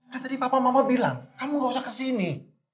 kan tadi papa mama bilang kamu gak usah ke sini